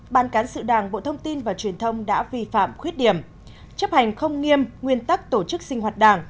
ban cán sự đảng bộ thông tin và truyền thông đã vi phạm khuyết điểm chấp hành không nghiêm nguyên tắc tổ chức sinh hoạt đảng